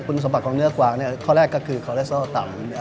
คุณสมบัติของเนื้อกวางเนี่ยข้อแรกก็คือลังสืบส่อดต่ำ